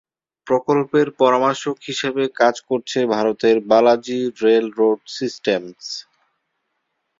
প্রকল্পের পরামর্শক হিসেবে কাজ করছে ভারতের 'বালাজি রেল রোড সিস্টেমস'।